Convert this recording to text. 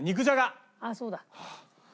ああそうだ。